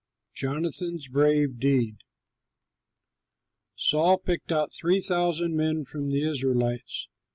JONATHAN'S BRAVE DEED Saul picked out three thousand men from the Israelites.